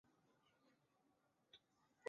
年号有永平。